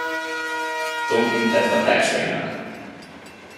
Tom intett a társainak.